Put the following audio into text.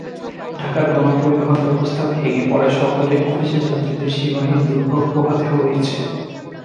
ঢাকার গণপরিবহন ব্যবস্থা ভেঙে পড়ায় সকালেই অফিস যাত্রীদের সীমাহীন দুর্ভোগ পোহাতে হয়েছে।